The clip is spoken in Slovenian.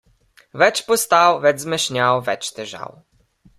Več postav, več zmešnjav, več težav.